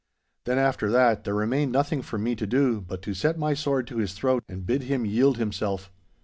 Then, after that, there remained nothing for me to do, but to set my sword to his throat and bid him yield himself.